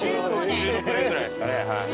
１６年ぐらいですかね。